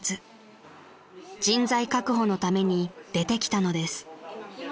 ［人材確保のために出てきたのです］